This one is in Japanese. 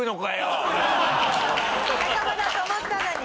仲間だと思ったのに。